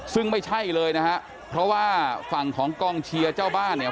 ซึ่งไม่ใช่เลยนะฮะเพราะว่าฝั่งของกองเชียร์เจ้าบ้านเนี่ย